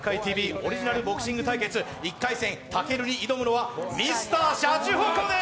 オリジナルボクシング対決、１回戦、武尊に挑むのはＭｒ．シャチホコです。